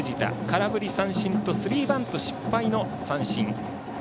空振り三振とスリーバント失敗の三振。